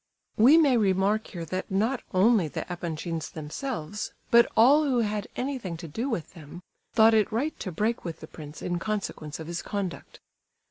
We may remark here that not only the Epanchins themselves, but all who had anything to do with them, thought it right to break with the prince in consequence of his conduct.